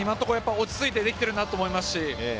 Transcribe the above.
落ち着いてできていると思います。